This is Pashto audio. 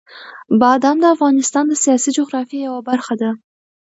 بادام د افغانستان د سیاسي جغرافیې یوه برخه ده.